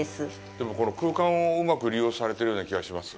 でも、この空間をうまく利用されてるような気がします。